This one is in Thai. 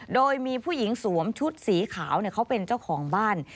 โดยมีผู้หญิงสวมชุดสีขาวเขาเป็นเจ้าของบ้าน